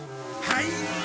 はい。